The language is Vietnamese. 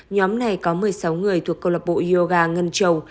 nhóm này có một mươi sáu người thuộc cơ lập bộ yoga ngân châu